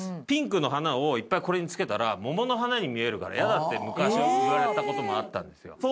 ピンクの花をいっぱいこれに付けたら桃の花に見えるから嫌だって昔言われた事もあったんですよ。